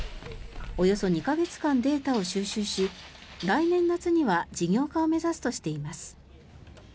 およそ２か月間データを収集し来年夏には事業化を目指すとしています。